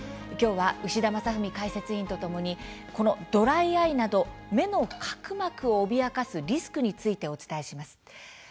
きょうは牛田正史解説委員とともにこのドライアイなど目の角膜を脅かすリスクについてお伝えします。